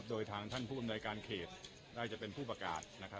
โดยทางท่านผู้อำนวยการเขตน่าจะเป็นผู้ประกาศ